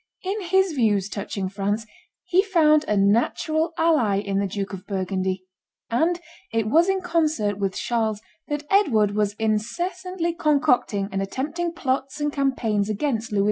In his views touching France he found a natural ally in the Duke of Burgundy; and it was in concert with Charles that Edward was incessantly concocting and attempting plots and campaigns against Louis XI.